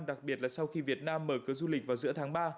đặc biệt là sau khi việt nam mở cửa du lịch vào giữa tháng ba